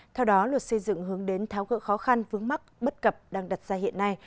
theo đó luật xây dựng hướng đến tháo gỡ khó khăn vướng mắt bất cập đang đặt ra hiện nay